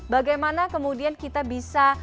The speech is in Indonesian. bagaimana kemudian kita bisa